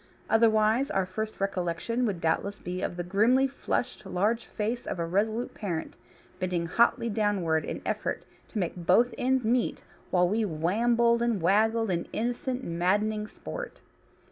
Otherwise our first recollection would doubtless be of the grimly flushed large face of a resolute parent, bending hotly downward in effort to make both ends meet while we wambled and waggled in innocent, maddening sport.